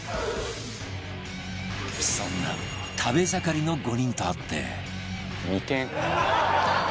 そんな食べ盛りの５人とあって